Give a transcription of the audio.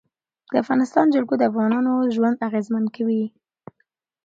د افغانستان جلکو د افغانانو ژوند اغېزمن کوي.